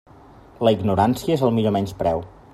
La ignorància és el millor menyspreu.